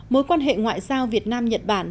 mối quan hệ ngoại giao việt nam nhật bản